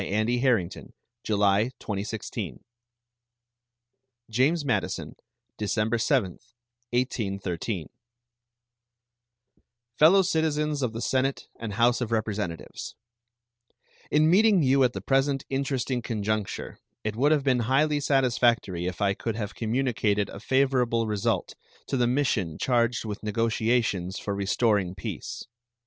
State of the Union Address James Madison December 7, 1813 Fellow Citizens of the Senate and House of Representatives: In meeting you at the present interesting conjuncture it would have been highly satisfactory if I could have communicated a favorable result to the mission charged with negotiations for restoring peace.